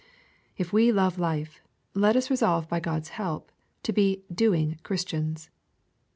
If we love life, let us resolve by God's help, to be "doing" Christians.